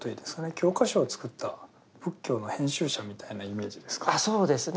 教科書を作った仏教の編集者みたいなイメージですかね。